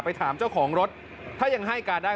ถามเจ้าของรถถ้ายังให้การได้